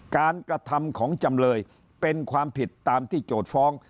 กระทำของจำเลยเป็นความผิดตามที่โจทย์ฟ้อง